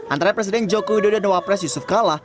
antara presiden jokowi dodo dan wapres yusuf kala